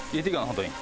本当に。